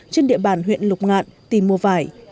trên địa bàn huyện lục ngạn tìm mua vải